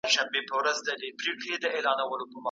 ولي مدام هڅاند د لوستي کس په پرتله برخلیک بدلوي؟